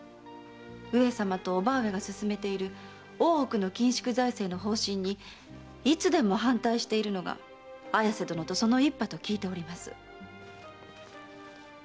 上様と叔母上が進めている大奥の緊縮財政の方針にいつでも反対しているのが綾瀬殿とその一派と聞きます。